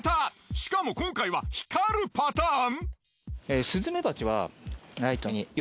しかも今回は光るパターン！？